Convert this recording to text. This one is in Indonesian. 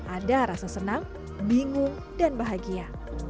ada rasa senang bingung dan bahagia